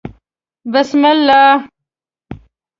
_بسم الله.